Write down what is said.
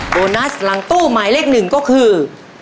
โบนัสหลังตู้หมายเลขหนึ่งก็คือ